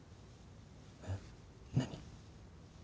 えっ何？